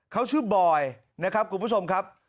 เขาชื่อบอยนะครับคุณผู้ชมครับ